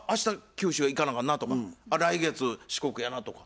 九州へ行かなあかんな」とか「来月四国やな」とか。